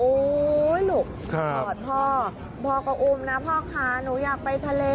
ลูกกอดพ่อพ่อก็อุ้มนะพ่อค่ะหนูอยากไปทะเล